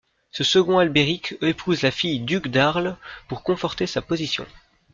Ce second Albéric épouse la fille d'Hugues d'Arles pour conforter sa position.